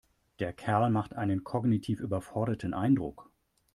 Der Kerl macht einen kognitiv überforderten Eindruck.